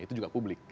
itu juga publik